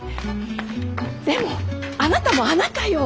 でもあなたもあなたよ。